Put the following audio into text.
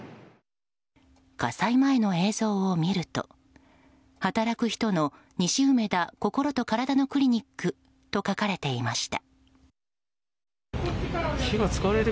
火災前の映像を見ると働く人の西梅田こころとからだのクリニックと書かれていました。